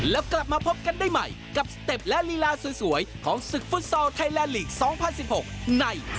แล้วกลับมาพบกันได้ใหม่กับสเต็ปและลีลาสวยของศึกฟุตซอลไทยแลนดลีก๒๐๑๖ใน